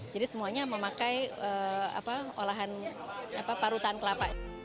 jadi semuanya memakai olahan parutan kelapa